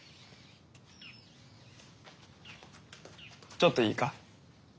ちょっといいか？